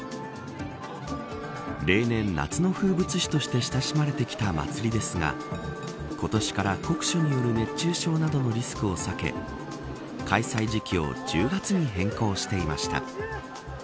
例年、夏の風物詩として親しまれてきた祭りですが今年から酷暑による熱中症などのリスクを避け開催時期を１０月に変更していました。